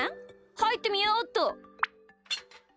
はいってみようっと。